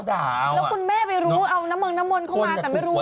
แล้วคุณแม่ไปรู้เอาน้ำมงน้ำมนต์เข้ามาแต่ไม่รู้ว่า